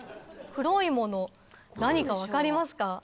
黒いもの何か分かりますか？